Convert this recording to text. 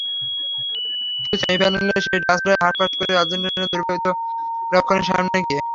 কিন্তু সেমিফাইনালে সেই ডাচরাই হাঁসফাঁস করেছে আর্জেন্টিনার দুর্ভেদ্য রক্ষণের সামনে গিয়ে।